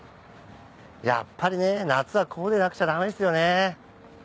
やっぱり夏はこうでなくちゃダメですよね。